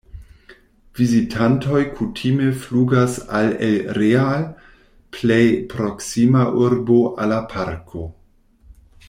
Vizitantoj kutime flugas al El Real, plej proksima urbo al la parko.